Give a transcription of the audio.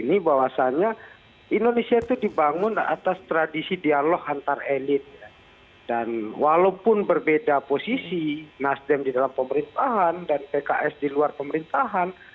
ini bahwasannya indonesia itu dibangun atas tradisi dialog antar elit dan walaupun berbeda posisi nasdem di dalam pemerintahan dan pks di luar pemerintahan